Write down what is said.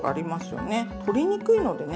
取りにくいのでね